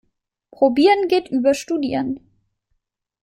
Probieren geht über studieren.